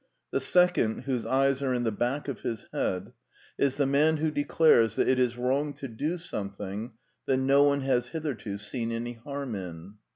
The second, whose eyes are in the back of his head, is the man who declares that it is wrong to do something that no one has hitherto seen any harm in.